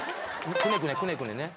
くねくねくねくねね。